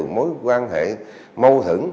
mối quan hệ mâu thẫn